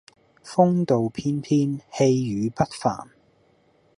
風度翩翩、氣宇不凡